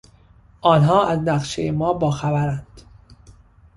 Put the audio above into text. آنها از نقشههای ما باخبرند.